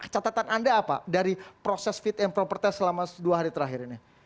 catatan anda apa dari proses fit and proper test selama dua hari terakhir ini